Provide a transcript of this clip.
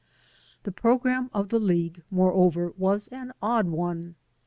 The program of the league, moreover, was an odd one.